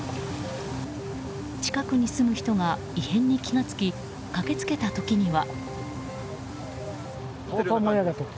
近くに住む人が異変に気が付き駆けつけた時には。